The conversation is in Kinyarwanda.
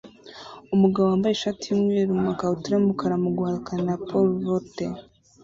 Umugabo wambaye ishati yumweru namakabutura yumukara muguhatanira pole vault